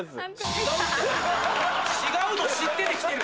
違うの知ってて来てる。